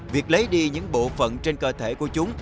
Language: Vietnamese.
việc lấy đi những bộ phận trên cơ thể của chúng